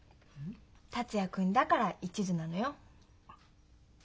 達也君だから一途なのよ。